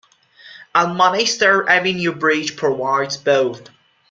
Almonaster Avenue Bridge provides both.